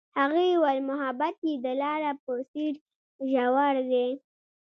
هغې وویل محبت یې د لاره په څېر ژور دی.